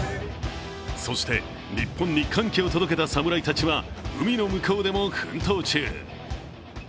そして、日本に歓喜を届けた侍たちは、海の向こうでも奮闘中。